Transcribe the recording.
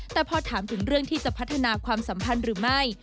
แต่พอถามถึงเรื่องที่จะพัฒนาความสัมพันธ์หรือไม่